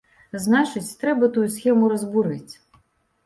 Значыць, трэба тую схему разбурыць.